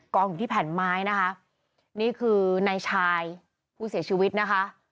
องอยู่ที่แผ่นไม้นะคะนี่คือนายชายผู้เสียชีวิตนะคะ